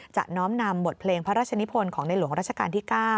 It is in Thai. น้อมนำบทเพลงพระราชนิพลของในหลวงราชการที่๙